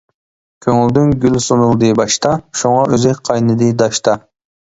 كۆڭۈلدىن گۈل سۇنۇلدى باشتا، شۇڭا ئۆزى قاينىدى داشتا.